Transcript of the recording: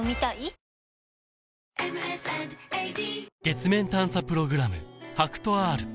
月面探査プログラム